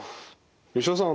吉田さん